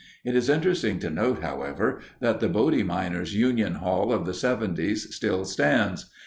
It is interesting to note, however, that the Bodie Miners' Union Hall of the 'seventies still stands.